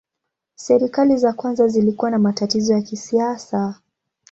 Serikali za kwanza zilikuwa na matatizo ya kisiasa.